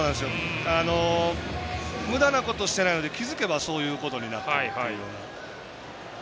むだなことしてないので気付けば、そういうことになっているというような。